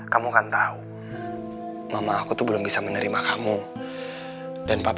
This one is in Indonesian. kamu tenang aja clara